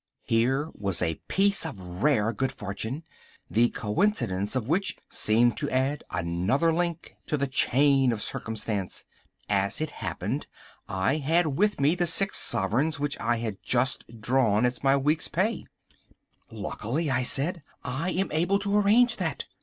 Here was a piece of rare good fortune, the coincidence of which seemed to add another link to the chain of circumstance. As it happened I had with me the six sovereigns which I had just drawn as my week's pay. "Luckily," I said, "I am able to arrange that.